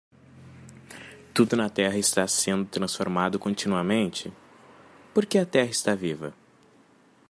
Tudo na terra está sendo transformado continuamente? porque a terra está viva.